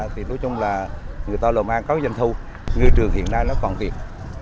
thì đối chung là người ta lộn an có danh thu ngư trường hiện nay nó còn kịp